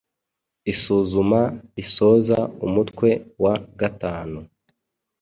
Isuzuma risoza umutwe wa gatanu